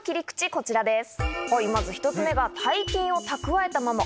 こちらです。